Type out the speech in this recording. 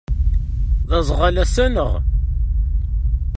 D aẓɣal ass-a, naɣ?